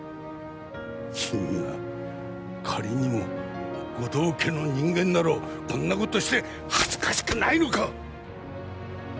君は仮にも護道家の人間だろこんなことして恥ずかしくないのか！？